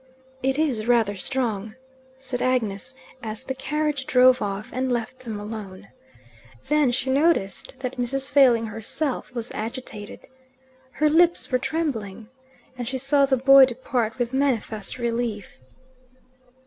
"It is rather strong," said Agnes as the carriage drove off and left them alone. Then she noticed that Mrs. Failing herself was agitated. Her lips were trembling, and she saw the boy depart with manifest relief.